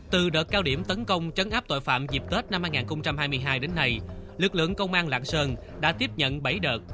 từ đợt cao điểm tấn công chấn áp tội phạm dịp tết năm hai nghìn hai mươi hai đến nay lực lượng công an lạng sơn đã tiếp nhận bảy đợt